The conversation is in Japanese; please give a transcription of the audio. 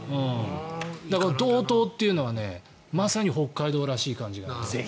だから、道東というのはまさに北海道らしい感じが。